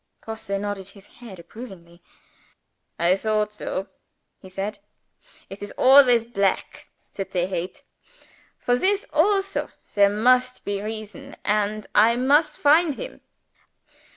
Grosse nodded his head approvingly. "I thought so," he said. "It is always black that they hate. For this also there must be reason and I must find _him.